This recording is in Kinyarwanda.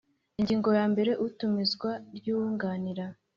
Ingingo ya mbere Itumizwa ry uwunganira